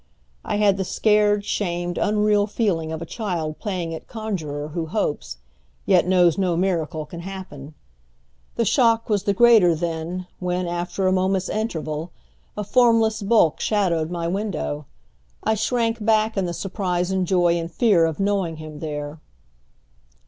I had the scared, shamed, unreal feeling of a child playing at conjurer who hopes, yet knows no miracle can happen. The shock was the greater then when, after a moment's interval, a formless bulk shadowed my window. I shrank back in the surprise and joy and fear of knowing him there.